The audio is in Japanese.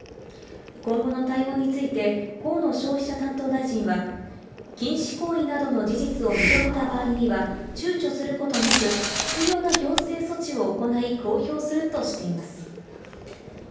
今後の対応について、河野消費者担当大臣は、禁止行為などの事実を認めた場合には、ちゅうちょすることなく、必要な行政措置を行い公表するとしています。